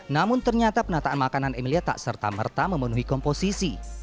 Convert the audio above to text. namun ternyata penataan makanan emilia tak serta merta memenuhi komposisi